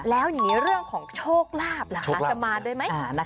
แล้วอย่างนี้เรื่องของโชคลาภล่ะคะจะมาด้วยไหม